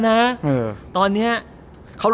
นี่คือกี๊สวยแล้วนะ